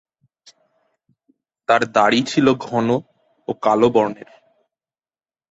তার দাড়ি ছিল ঘন ও কালো বর্ণের।